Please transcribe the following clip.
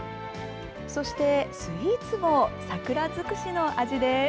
そしてスイーツも桜づくしの味です。